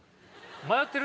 迷ってる？